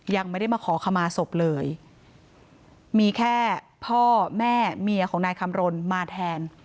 ยังไม่ได้มาขอขมาศพเลยมีแค่พ่อแม่เมียของนายคำรณมาแทน